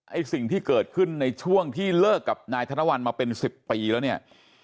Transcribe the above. ไอ้สิ่งที่เกิดขึ้นในช่วงที่เลิกกับนายธนวัลมาเป็น๑๐ปีแล้วเนี่ย